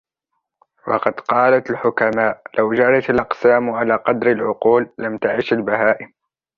وَقَدْ قَالَتْ الْحُكَمَاءُ لَوْ جَرَتْ الْأَقْسَامُ عَلَى قَدْرِ الْعُقُولِ لَمْ تَعِشْ الْبَهَائِمُ